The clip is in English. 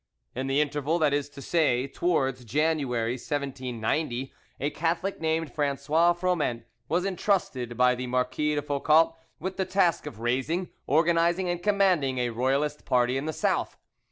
In the interval—that is to say, towards January, 1790—a Catholic called Francois Froment was entrusted by the Marquis de Foucault with the task of raising, organising, and commanding a Royalist party in the South.